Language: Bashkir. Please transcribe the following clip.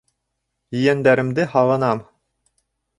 Ейәндәремде һағынам.